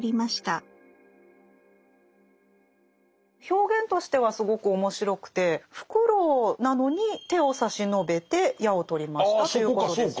表現としてはすごく面白くてフクロウなのに「手を差しのべて矢を取りました」ということですよね。